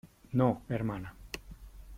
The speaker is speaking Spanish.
no , hermana .